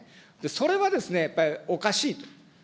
それはですね、やっぱりおかしいと。